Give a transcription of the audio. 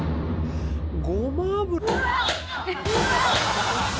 ごま油。